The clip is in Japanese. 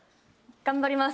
頑張ります。